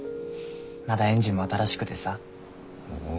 まだエンジンも新しくてさ。